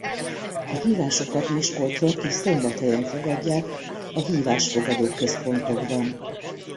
A hívásokat Miskolcon és Szombathelyen fogadják a Hívásfogadó Központokban.